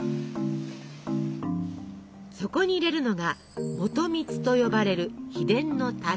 そこに入れるのが「元蜜」と呼ばれる秘伝のタレ。